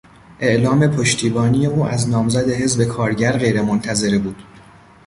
اعلام پشتیبانی او از نامزد حزب کارگر غیر منتظره بود.